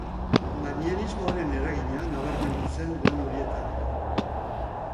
Manierismoaren eragina nabarmendu zen lan horietan.